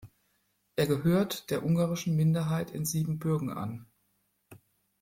Er gehört der ungarischen Minderheit in Siebenbürgen an.